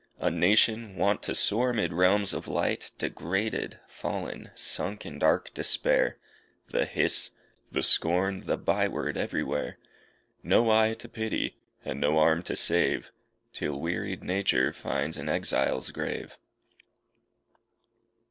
A nation, wont to soar 'mid realms of light, Degraded, fallen, sunk in dark despair, The hiss, the scorn, the bye word everywhere; No eye to pity, and no arm to save, Till wearied nature finds an exile's grave.